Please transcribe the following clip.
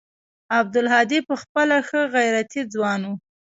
عبدالهادي پخپله ښه غيرتي ځوان و.